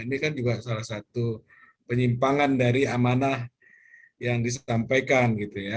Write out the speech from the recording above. ini kan juga salah satu penyimpangan dari amanah yang disampaikan gitu ya